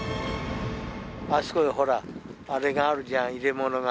あそこにほらあれがあるじゃん入れ物が。